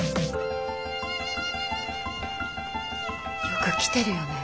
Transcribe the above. よく来てるよね